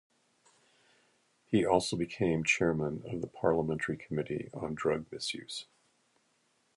He also became Chairman of the Parliamentary Committee on Drug Misuse.